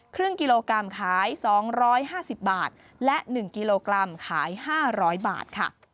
ครึ่งกิโลกรัมขาย๒๕๐บาทและ๑กิโลกรัมขาย๕๐๐บาทค่ะ